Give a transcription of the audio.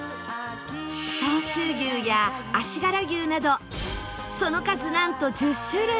相州牛や足柄牛などその数なんと１０種類